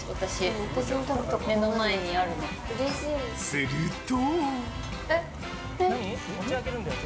すると。